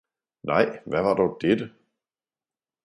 - Nej, hvad var dog dette!